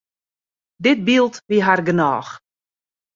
Dit byld wie har genôch.